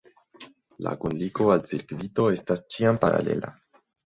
La kunligo al cirkvito estas ĉiam paralela.